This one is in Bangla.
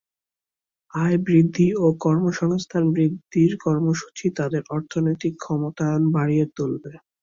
আয় বৃদ্ধি ও কর্মসংস্থান বৃদ্ধির কর্মসূচি, তাদের অর্থনৈতিক ক্ষমতায়ন বাড়িয়ে তুলবে।